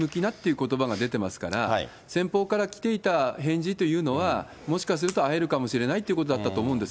ことばが出てますから、先方から来ていた返事というのは、もしかすると、会えるかもしれないということだったと思うんです。